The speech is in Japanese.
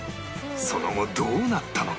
その後どうなったのか？